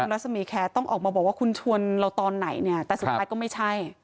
รัศมีแคร์ต้องออกมาบอกว่าคุณชวนเราตอนไหนเนี่ยแต่สุดท้ายก็ไม่ใช่